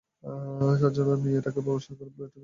সার্জনরা মেয়েটাকে অপারেশন করে বুলেটটা সরানোর জন্য গাইড করছেন।